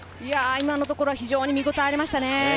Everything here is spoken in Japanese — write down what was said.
今のところは見応えありましたね。